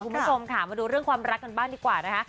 คุณผู้ชมค่ะมาดูเรื่องความรักกันบ้างดีกว่านะคะ